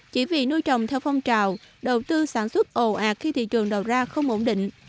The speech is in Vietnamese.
chỉ vì nuôi trồng theo phong trào đầu tư sản xuất ồ ạt khi thị trường đầu ra không ổn định